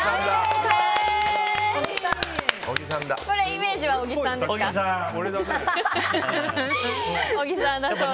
イメージは小木さんですか？